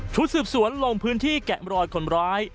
ชุดสืบสวนลงพื้นที่แกะมรอยคนร้าย